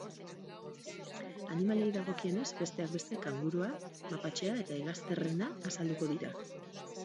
Animaliei dagokienez, besteak beste, kangurua, mapatxea eta hegazterrena azalduko dira.